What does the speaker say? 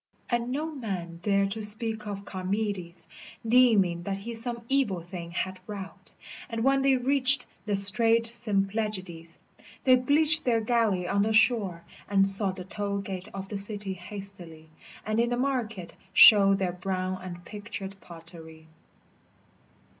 And no man dared to speak of Charmides Deeming that he some evil thing had wrought, And when they reached the strait Symplegades They beached their galley on the shore, and sought The toil gate of the city hastily, And in the market showed their brown and pictured pottery.